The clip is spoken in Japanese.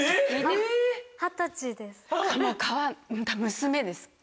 娘です。